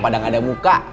padahal gak ada muka